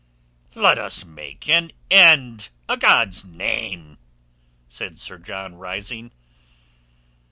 "Let us make an end, a' God's name!" said Sir John, rising.